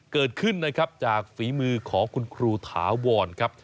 เกิดขึ้นนะครับจากฝีมือของคุณครูถาวรครับ